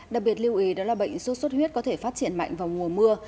đặc biệt lưu ý đó là bệnh sốt xuất huyết có thể phát triển mạnh vào mùa mưa